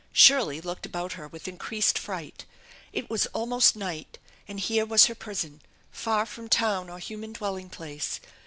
Shirley looked about her with increased fright. It was almost night and here was her prison, far from town or human dwelling place.